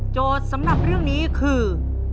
โจทย์สำหรับเรื่องนี้คือ